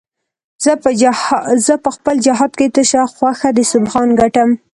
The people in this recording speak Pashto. زه په خپل جهاد کې تشه خوښه د سبحان ګټم